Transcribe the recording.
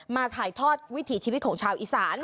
ถ่ายทอดวิถีชีวิตของชาวอีสาน